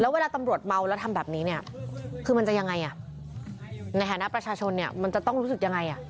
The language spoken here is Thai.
เวลาตำรวจเมาแล้วทำแบบนี้เนี่ยคือมันจะยังไงในฐานะประชาชนเนี่ยมันจะต้องรู้สึกยังไง